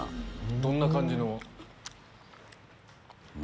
どんな感じの？